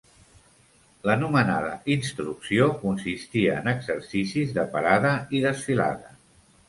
L'anomenada «instrucció» consistia en exercicis de parada i desfilada